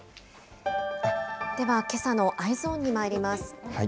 では、けさのＥｙｅｓｏｎにまいります。